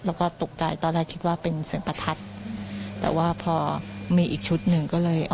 แล้วก็ตกใจตอนแรกคิดว่าเป็นเสียงประทัดแต่ว่าพอมีอีกชุดหนึ่งก็เลย